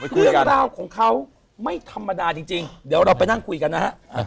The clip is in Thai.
เรื่องราวของเขาไม่ธรรมดาจริงเดี๋ยวเราไปนั่งคุยกันนะฮะ